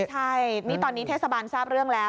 ใช่นี่ตอนนี้เทศบาลทราบเรื่องแล้ว